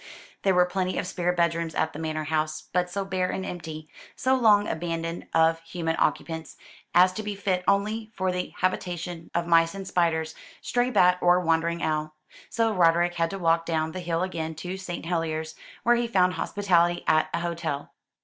There were plenty of spare bedrooms at the manor house, but so bare and empty, so long abandoned of human occupants, as to be fit only for the habitation of mice and spiders, stray bat or wandering owl. So Roderick had to walk down the hill again to St. Helier's, where he found hospitality at an hotel.